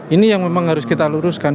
ini yang memang harus kita luruskan